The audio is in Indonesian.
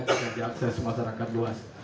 bisa diakses masyarakat luas